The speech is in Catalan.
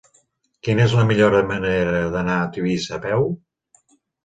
Quina és la millor manera d'anar a Tivissa a peu?